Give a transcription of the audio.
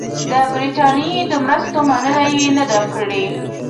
د برټانیې د مرستو مننه یې نه ده کړې.